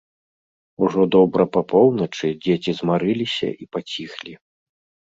Ужо добра па поўначы дзеці змарыліся і паціхлі.